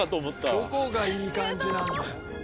どこがいい感じなんだよ。